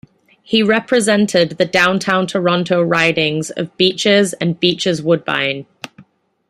He represented the downtown Toronto ridings of Beaches and Beaches-Woodbine.